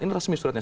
ini resmi suratnya